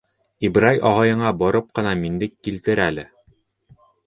Ибрай ағайыңа барып ҡына миндек килтер әле.